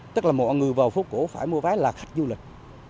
tức là mọi người vào phố cổ phải mua vé là khách du lịch